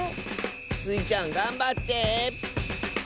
スイちゃんがんばって。